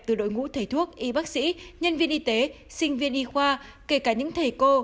từ đội ngũ thầy thuốc y bác sĩ nhân viên y tế sinh viên y khoa kể cả những thầy cô